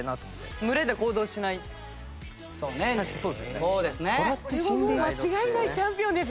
これはもう間違いないチャンピオンですね。